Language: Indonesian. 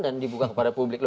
dan dibuka kepada publik